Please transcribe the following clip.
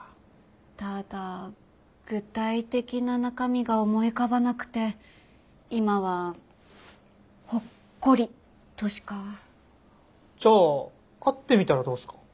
ただ具体的な中身が思い浮かばなくて今はほっこりとしか。じゃあ会ってみたらどうすか？